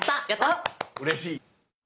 うれしい。